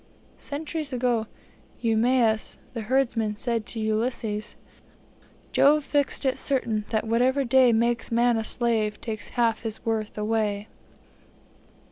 Centuries ago Eumaeus, the herdsman, said to Ulysses: Jove fixed it certain, that whatever day Makes man a slave, takes half his worth away.